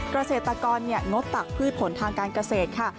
เกษตรกรงดตักพืชผลทางการเกษตรค่ะ